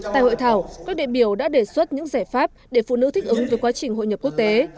tại hội thảo các đệ biểu đã đề xuất những giải pháp để phụ nữ thích ứng với quá trình hội nhập quốc tế